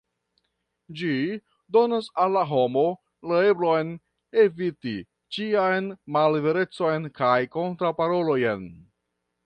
Ĝi donas al la homo la eblon eviti ĉian malverecon kaj kontraŭparolojn.